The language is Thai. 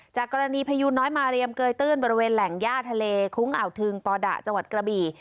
จากกรณีพยูนน้อยมาเรียมเกยตื้นบริเวณแหล่งย่าทะเลคุ้งอ่าวทึงปอดะจังหวัดกระบี่